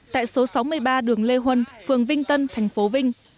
tại số sáu mươi ba đường lê huân phường vinh tân thành phố vinh